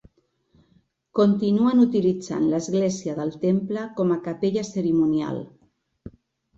Continuen utilitzant l'església del temple com a capella cerimonial.